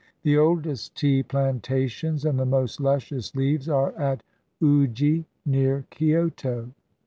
The oldest tea plantations and the most luscious leaves are at Uji, near Kioto.